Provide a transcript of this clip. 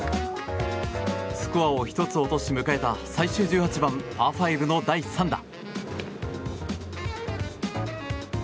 スコアを１つ落とし迎えた最終１８番、パー５の第３打。